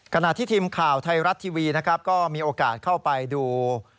ขณะที่ทีมข่าวไทยรัฐทีวีนะครับก็มีโอกาสเข้าไปดู